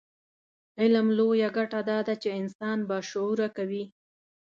علم لویه ګټه دا ده چې انسان باشعوره کوي.